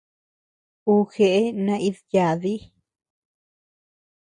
Ú jeʼe naíd-yádi.